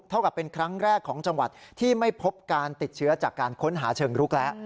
เท่ากับเป็นครั้งแรกของจังหวัดที่ไม่พบการติดเชื้อจากการค้นหาเชิงรุกแล้ว